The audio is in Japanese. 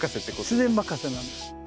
自然任せなんです。